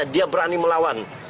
dia berani melawan